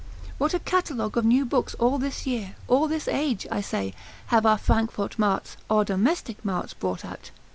What a catalogue of new books all this year, all this age (I say), have our Frankfort Marts, our domestic Marts brought out?